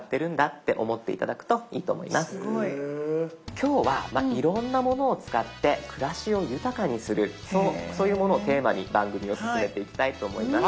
今日はいろんなものを使って暮らしを豊かにするそういうものをテーマに番組を進めていきたいと思います。